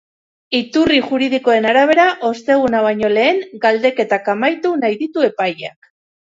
Iturri juridikoen arabera, osteguna baino lehen galdeketak amaitu nahi ditu epaileak.